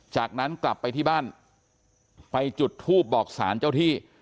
จากนั้นกลับไปที่บ้านไปจุดทูบบอกสารเจ้าที่